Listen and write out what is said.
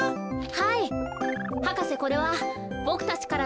はい。